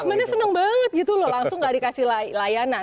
sebenarnya seneng banget gitu loh langsung nggak dikasih layanan